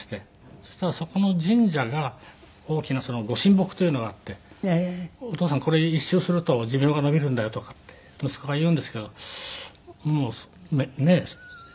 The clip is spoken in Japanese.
そしたらそこの神社が大きな御神木というのがあって「お父さんこれ一周すると寿命が延びるんだよ」とかって息子が言うんですけどもうねえ。